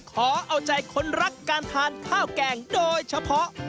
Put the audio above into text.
ขอเอาใจคนรักการทานข้าวแกงโดยเฉพาะ